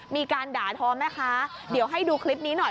มีการด่าทอแม่ค้าเดี๋ยวให้ดูคลิปนี้หน่อย